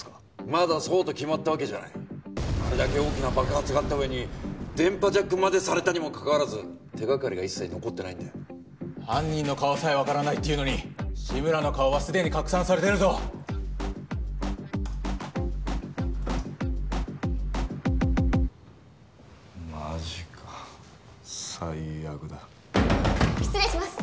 まだそうと決まったわけじゃないあれだけ大きな爆発があった上に電波ジャックまでされたにもかかわらず手がかりが一切残ってないんだ犯人の顔さえ分からないっていうのに志村の顔はすでに拡散されてるぞマジか最悪だ失礼します